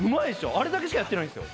あれだけしかやってないんですよ？